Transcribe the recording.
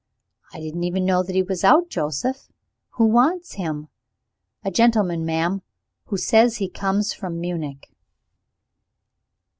"I didn't even know that he was out, Joseph. Who wants him?" "A gentleman, ma'am, who says he comes from Munich."